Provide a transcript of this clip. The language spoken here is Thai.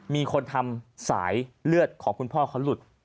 มีคนทำสายเลือดของคุณพ่อเขาหลุด